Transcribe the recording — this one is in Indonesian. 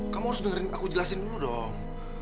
kamu harus dengerin aku jelasin dulu dong